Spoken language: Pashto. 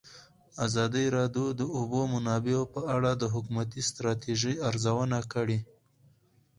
ازادي راډیو د د اوبو منابع په اړه د حکومتي ستراتیژۍ ارزونه کړې.